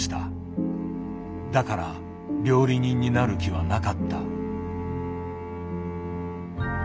だから料理人になる気はなかった。